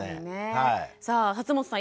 さあ本さん